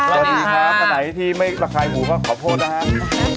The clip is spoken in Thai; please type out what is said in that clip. สวัสดีค่ะมาไหนที่ไม่ประคายหมูของขอโพธินะครับ